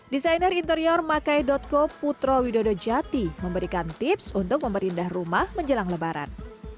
desainer interior makai co putra widodo jati memberikan tips untuk memberindah rumah menjelang lebaran